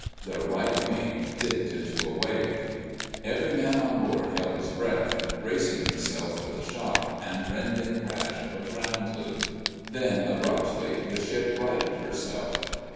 The right wing dipped into a wave. Every man on board held his breath, bracing himself for the shock and rending crash of a ground loop.... Then, abruptly, the ship righted herself.